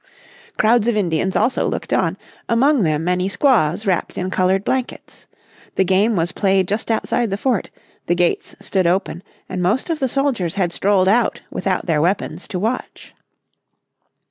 Crowds of Indians also looked on, among them many squaws wrapped in coloured blankets. The game was played just outside the fort, the gates stood open, and most of the soldiers had strolled out without their weapons to watch.